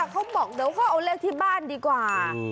เขาบอกเดี๋ยวเขาเอาเลขที่บ้านดีกว่า